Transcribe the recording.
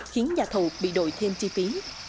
khiến nhà thầu bị đổi thêm chi phí